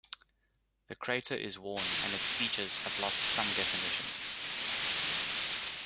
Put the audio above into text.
The crater is worn and its features have lost some definition.